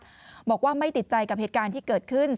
ต่อกรณีดังกล่าวบอกว่าไม่ติดใจกับเหตุการณ์ที่เกิดขึ้น